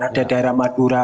ada daerah madura